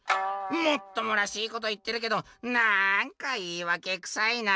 「もっともらしいこと言ってるけどなんか言いわけくさいな」。